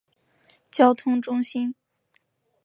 交通中心。